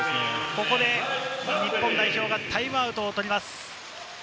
ここで日本代表がタイムアウトを取ります。